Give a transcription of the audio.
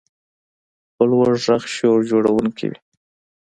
په لوړ غږ شور جوړونکی وي.